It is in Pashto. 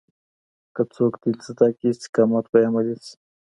که څوک دين زده کړي، استقامت به يې عملي شي.